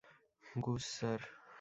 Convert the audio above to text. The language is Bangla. Goodge, sir.